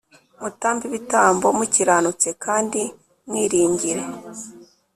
Mutambe ibitambo mukiranutse Kandi mwiringire